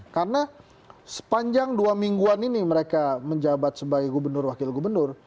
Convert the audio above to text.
karena sepanjang dua mingguan ini mereka menjabat sebagai gubernur wakil gubernur